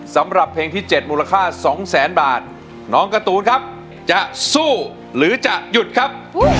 สำหรับเพลงที่๗มูลค่า๒แสนบาทน้องการ์ตูนครับจะสู้หรือจะหยุดครับ